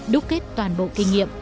đúc kết toàn bộ kinh nghiệm